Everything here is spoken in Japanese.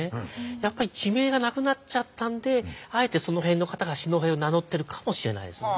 やっぱり地名がなくなっちゃったんであえてその辺の方が四戸を名乗ってるかもしれないですね。